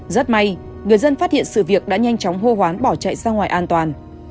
rất may người dân phát hiện sự việc đã nhanh chóng hô hoán bỏ chạy ra ngoài an toàn